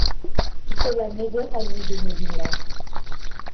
C'est la meilleure amie de Mélina.